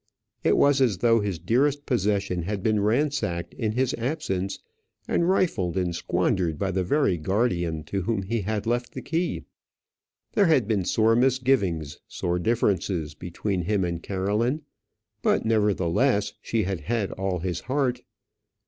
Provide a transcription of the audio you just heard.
It was as though his dearest possession had been ransacked in his absence, and rifled and squandered by the very guardian to whom he had left the key. There had been sore misgivings, sore differences between him and Caroline; but, nevertheless, she had had all his heart.